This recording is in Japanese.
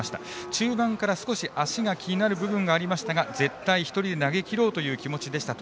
中盤から少し足が気になる部分がありましたが絶対１人で投げきろうという気持ちでした。